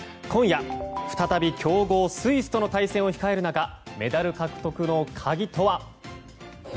今夜、再び強豪スイスとの対戦を控える中メダル獲得の鍵とは？